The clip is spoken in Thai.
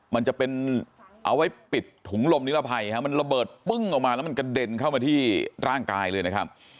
มันจะเป็นเอาไว้ปิดถุงลมนิรภัยมันระเบิดปึ้งออกมาแล้วมันกระเด็นเข้ามาที่ร่างกายเลยนะครับ